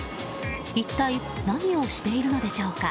一体何をしているのでしょうか。